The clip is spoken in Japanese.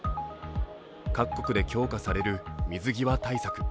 各国で強化される水際対策。